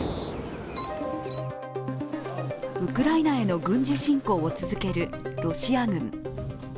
ウクライナへの軍事侵攻を続けるロシア軍。